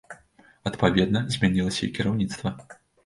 Адпаведна, змянілася і кіраўніцтва.